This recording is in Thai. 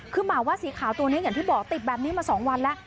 คือหมาวัดสีขาวตัวนี้อย่างที่บอกติดแบบนี้มา๒วันแล้ว